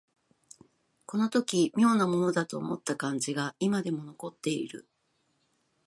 この時妙なものだと思った感じが今でも残っている